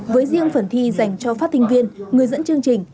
với riêng phần thi dành cho phát sinh viên người dẫn chương trình